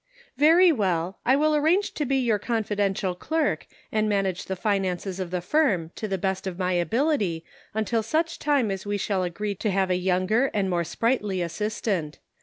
" Very well : I will engage to be your con fidential clerk, and manage the finances of the firm to the best of my ability until such time as we shall agree to have a younger and more sprightly assistant.